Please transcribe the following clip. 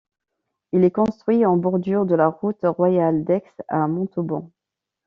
Il est construit en bordure de la route royale d'Aix à Montauban.